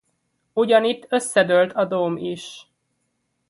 Ugyanitt összedőlt a dóm is.